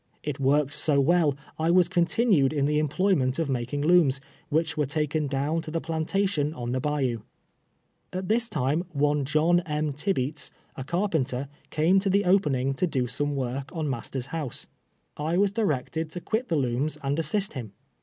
It "worked so well, I was continued in the employment of making looms, which were taken down to the plantation on the bayou. At this time one John ]\I. Til)eats. a capentcr, came to the opening to do some work on master's house. I was directed to (juit the looms and assist him.